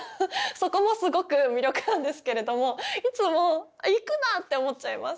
そこもすごく魅力なんですけれどもいつも「あ行くな！」って思っちゃいます。